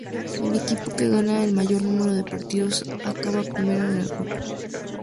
El equipo que gana el mayor número de partidos acaba primero en el grupo.